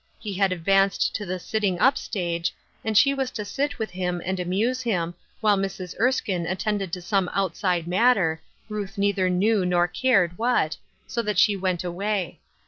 He had advanced to the sitting up stage, and she was to sit with him and amuse him, while Mrs. Erskine attended to some outside matter, Ruth neither knew nor cared what, so that she went away.